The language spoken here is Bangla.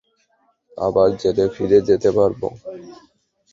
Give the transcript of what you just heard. আবার জেলে ফিরে যেতে পারব?